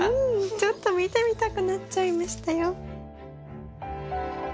ちょっと見てみたくなっちゃいましたよ。